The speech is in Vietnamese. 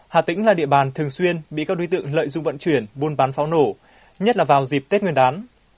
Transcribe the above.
hà tĩnh là địa bàn thường xuyên bị các đối tượng lợi dụng vận chuyển buôn bán pháo nổ nhất là vào dịp tết nguyên đán